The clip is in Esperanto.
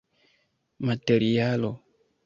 materialo